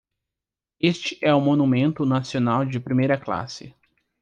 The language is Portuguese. Este é um monumento nacional de primeira classe.